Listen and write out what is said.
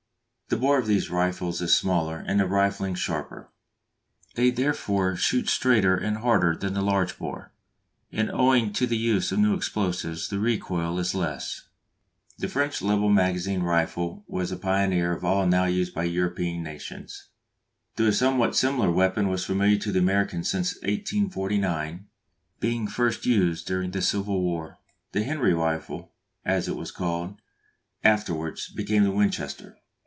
The bore of these rifles is smaller and the rifling sharper; they therefore shoot straighter and harder than the large bore, and owing to the use of new explosives the recoil is less. The French Lebel magazine rifle was the pioneer of all now used by European nations, though a somewhat similar weapon was familiar to the Americans since 1849, being first used during the Civil War. The Henry rifle, as it was called, afterwards became the Winchester.